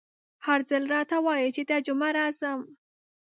هر ځل راته وايي چې دا جمعه راځم….